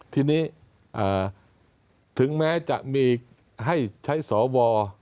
ทีนี้ถึงแม้จะมีให้ใช้สว